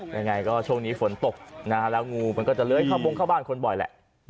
ยังไงก็ช่วงนี้ฝนตกแล้วงูมันก็จะเล้ยเข้าวงเข้าบ้านคนบ่อยแหละ